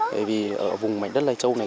bởi vì ở vùng mảnh đất lai châu này